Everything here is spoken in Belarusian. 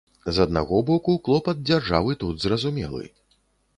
З аднаго боку, клопат дзяржавы тут зразумелы.